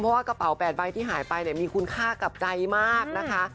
เพราะว่ากระเป๋า๘ใบที่หายไปเนี่ยมีคุณค่ากับใจมากนะคะ